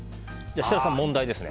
設楽さん、問題です。